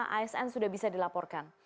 asn sudah bisa dilaporkan